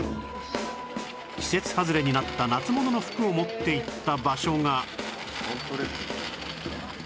季節外れになった夏物の服を持っていった場所が